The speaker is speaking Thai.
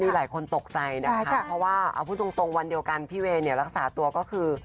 หลายคนตกใจนะคะเพราะว่าเอาพูดตรงวันเดียวกันพี่เวย์เนี่ยรักษาตัวก็คือ